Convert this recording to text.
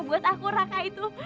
buat aku raka itu